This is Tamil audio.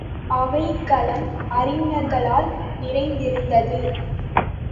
அவைக் களம் அறிஞர்களால் நிறைந்திருந்தது.